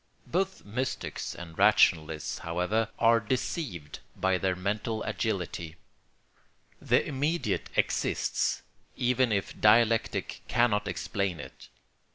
Both mystics and rationalists, however, are deceived by their mental agility; the immediate exists, even if dialectic cannot explain it.